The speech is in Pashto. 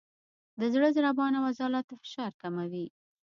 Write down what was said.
د زړه ضربان او عضلاتو فشار کموي،